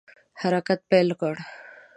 حرکت پیل کړ.